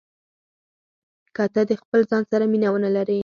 که ته د خپل ځان سره مینه ونه لرې.